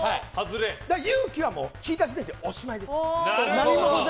「勇気」は引いた時点でおしまいです。